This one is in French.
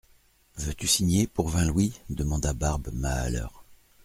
Veux-tu signer pour vingt louis ? demanda Barbe Mahaleur.